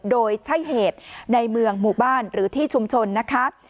โดยใช่เหตุในเมืองหมู่บ้านหรือที่ชุมชนนะคะ